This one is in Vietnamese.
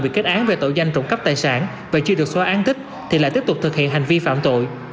bị kết án về tội danh trụng cấp tài sản và chưa được xóa an tích thì lại tiếp tục thực hiện hành vi phạm tội